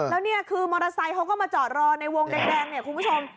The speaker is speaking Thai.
แล้วนี่คือมอเตอร์ไซต์เขาก็มาจอดรอในวงแกรงคุณผู้ชม